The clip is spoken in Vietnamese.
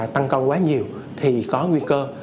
tăng cân quá nhiều thì có nguy cơ